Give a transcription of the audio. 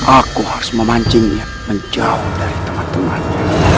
aku harus memancingnya menjauh dari teman teman